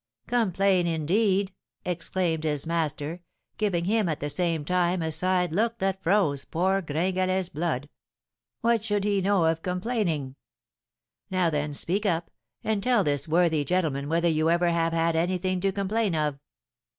'Complain, indeed!' exclaimed his master, giving him at the same time a side look that froze poor Gringalet's blood, 'what should he know of complaining? Now then, speak up, and tell this worthy gentleman whether you ever have had anything to complain of.'